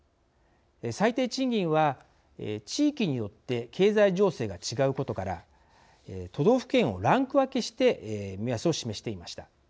最低賃金は地域によって経済情勢が違うことから都道府県をランク分けして目安を示していました。